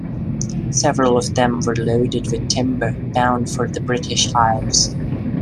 Several of them were loaded with timber bound for the British Isles.